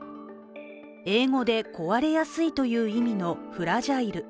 英語で、「壊れやすい」という意味のフラジャイル。